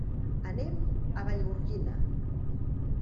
Anem a Vallgorguina.